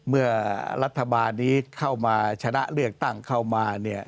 เมื่อรัฐบาลนี้เข้ามาชนะเลือกตั้งเข้ามาเนี่ย